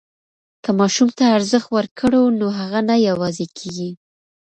که ماسوم ته ارزښت ورکړو نو هغه نه یوازې کېږي.